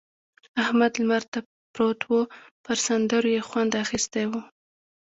احمد لمر ته پروت وو؛ پر سندرو يې خوند اخيستی وو.